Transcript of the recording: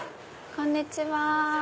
こんにちは